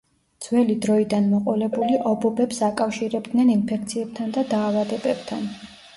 ძველი დროიდან მოყოლებული ობობებს აკავშირებდნენ ინფექციებთან და დაავადებებთან.